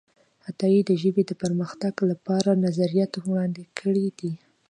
عطايي د ژبې د پرمختګ لپاره نظریات وړاندې کړي دي.